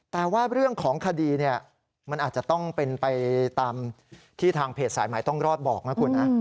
แต่ว่าเรื่องของคดีเนี่ยมันอาจจะต้องเป็นไปตามที่ทางเพจสายใหม่ต้องรอดบอกนะคุณนะ